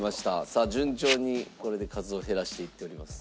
さあ順調にこれで数を減らしていっております。